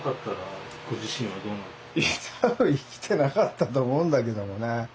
多分生きてなかったと思うんだけどもね。